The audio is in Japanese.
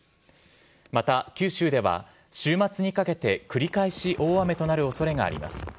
また、九州では週末にかけて繰り返し大雨となるおそれがあります。